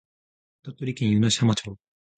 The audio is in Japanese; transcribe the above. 鳥取県湯梨浜町